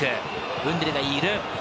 ウンデルがいる。